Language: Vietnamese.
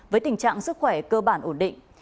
với tình trạng sức khỏe cơ bản ổn định